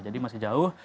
jadi masih jauh